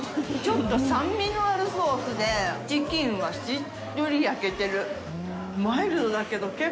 ちょっと酸味のあるソースで、チキンはしっとり焼けてる。